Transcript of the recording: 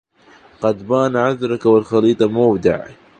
قد بان عذرك والخليط مودع